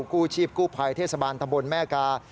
กู้ชีพกู้ภัยเทศบาลตำบลแม่กา